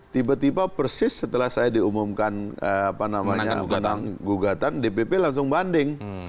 tiba tiba persis setelah saya diumumkan tentang gugatan dpp langsung banding